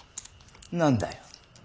何だよ。